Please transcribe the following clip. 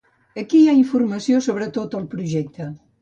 Aquí hi ha informació sobre tot el projecte.